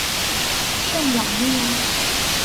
圣瓦利埃。